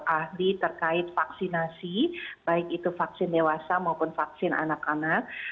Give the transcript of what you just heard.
ahli terkait vaksinasi baik itu vaksin dewasa maupun vaksin anak anak